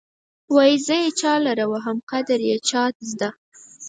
وايې زه یې چا لره وهم قدر يې چا زده.